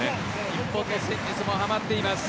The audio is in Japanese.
日本の戦術もはまっています。